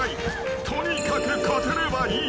［とにかく勝てればいい］